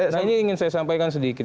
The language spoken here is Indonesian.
nah ini ingin saya sampaikan sedikit